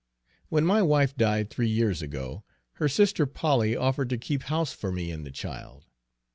When my wife died, three years ago, her sister Polly offered to keep house for me and the child.